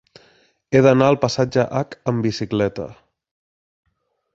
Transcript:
He d'anar al passatge Hac amb bicicleta.